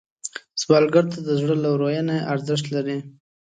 سوالګر ته د زړه لورینه ارزښت لري